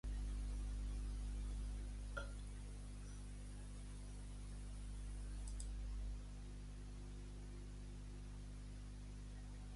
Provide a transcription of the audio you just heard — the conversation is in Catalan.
La seva ambivalència cap al sexe eventualment condueix a mantenir el mascle a distància.